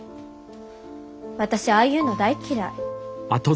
私ああいうの大っ嫌い。